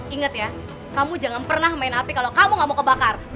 ingat ya kamu jangan pernah main api kalau kamu gak mau kebakar